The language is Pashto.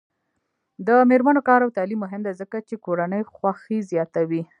د میرمنو کار او تعلیم مهم دی ځکه چې کورنۍ خوښۍ زیاتوي.